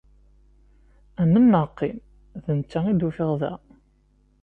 Amen neɣ qqim, d netta i d-uffiɣ da.